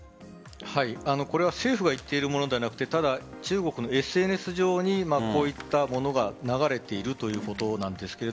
これは政府が行っているものではなくてただ、中国のＳＮＳ上にこういったものが流れているということなんですが